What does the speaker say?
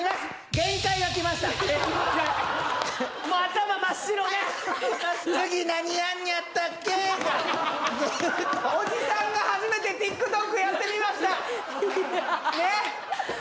限界おじさんが初めてＴｉｋＴｏｋやってみましたねっ